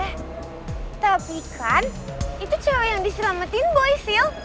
eh tapi kan itu cewek yang diselamatin boy sail